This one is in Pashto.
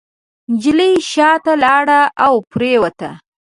نجلۍ شاته لاړه او پرېوته.